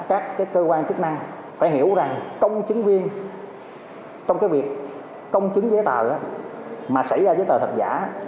các cơ quan chức năng phải hiểu rằng công chứng viên trong việc công chứng giấy tờ mà xảy ra giấy tờ thật giả